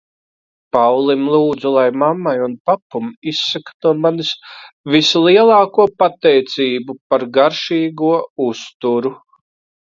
Paulim lūdzu lai mammai un papum izsaka no manis vislielāko pateicību par garšīgo uzturu.